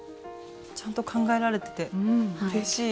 ちゃんと考えられててうれしい！